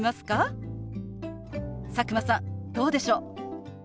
佐久間さんどうでしょう？